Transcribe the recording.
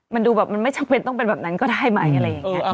มันดูแบบมันไม่จำเป็นต้องเป็นแบบนั้นก็ได้ไหมอะไรอย่างนี้